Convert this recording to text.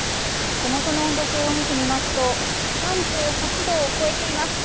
手元の温度計を見てみますと３８度を超えています。